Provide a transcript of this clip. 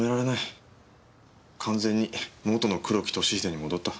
完全に元の黒木俊英に戻った。